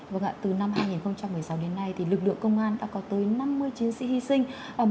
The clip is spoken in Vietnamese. vâng ạ từ năm hai nghìn một mươi sáu đến nay thì lực lượng công an đã có tới năm mươi chiến sĩ hy sinh